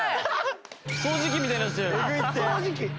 掃除機みたいになって。